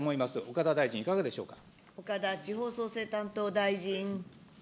岡田大臣、いかがでしょうか。